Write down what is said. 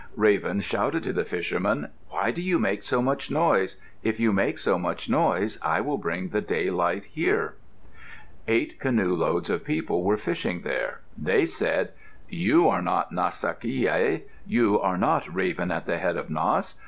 Raven shouted to the fishermen, "Why do you make so much noise? If you make so much noise I will bring the daylight here." Eight canoe loads of people were fishing there. They said, "You are not Nas ca ki yel. You are not Raven at the head of Nass.